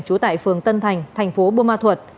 trú tại phường tân thành thành phố bô ma thuật